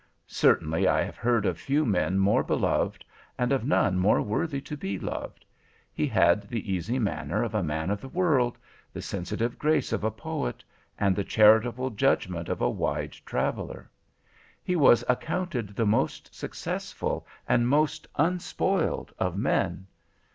Certainly I have heard of few men more beloved, and of none more worthy to be loved. He had the easy manner of a man of the world, the sensitive grace of a poet, and the charitable judgment of a wide traveller. He was accounted the most successful and most unspoiled of men.